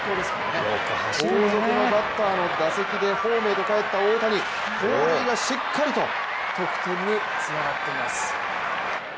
後続のバッターの打席でホームへと帰った大谷盗塁はしっかりと得点につながっています。